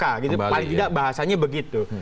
paling tidak bahasanya begitu